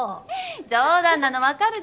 冗談なの分かるでしょ。